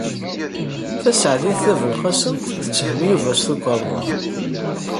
Taseɛdit Tabelqasemt tetthem Yuba s tukerḍa.